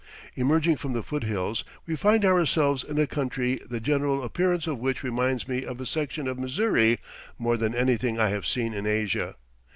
Emerging from the foot hills, we find ourselves in a country the general appearance of which reminds me of a section of Missouri more than anything I have seen in Asia.